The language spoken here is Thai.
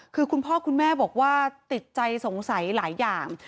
คือคุณพ่อคุณแม่บอกว่าติดใจสงสัยหลายอย่าง